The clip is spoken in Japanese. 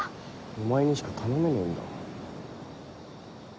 お前にしか頼めねえんだわ。